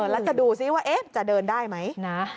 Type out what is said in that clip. แล้วจะดูซิว่าจะเดินได้ไหมนะ